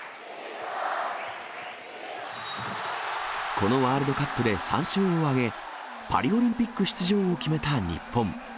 このワールドカップで３勝を挙げ、パリオリンピック出場を決めた日本。